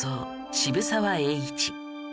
渋沢栄一